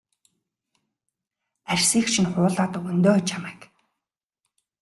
Арьсыг чинь хуулаад өгнө дөө чамайг.